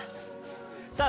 さあ